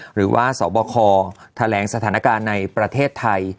หรือว่าสบคแถลงสถานการณ์ในประเทศไทย